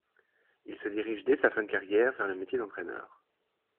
Il se dirige dès sa fin de carrière vers le métier d’entraîneur.